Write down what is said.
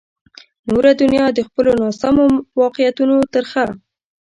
نوره دنیا د خپلو ناسمو واقعیتونو ترخه.